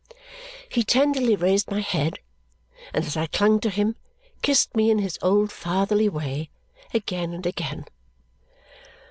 He tenderly raised my head, and as I clung to him, kissed me in his old fatherly way again and again.